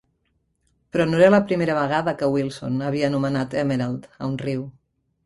Però no era la primera vegada que Wilson havia anomenat "Emerald" a un riu.